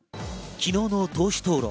昨日の党首討論。